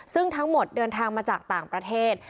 ซึ่งทั้งหมดเดินทางมาจากต่างประเทศ